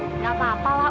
tidak apa apa lah